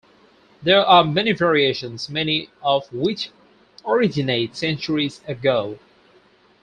There are many variations, many of which originate centuries ago.